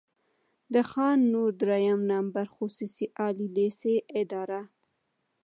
د خان نور دريیم نمبر خصوصي عالي لېسې اداره،